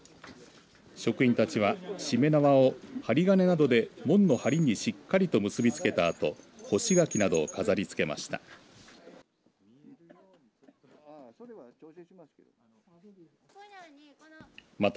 職員たちは、しめ縄を針金などで門のはりにしっかりと結び付けたあと干し柿などを飾りつけました。